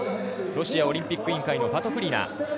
ロシアオリンピック委員会のファトクリナ。